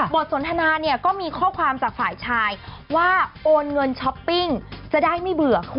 สนทนาเนี่ยก็มีข้อความจากฝ่ายชายว่าโอนเงินช้อปปิ้งจะได้ไม่เบื่อคุณ